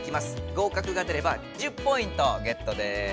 合格が出れば１０ポイントゲットです。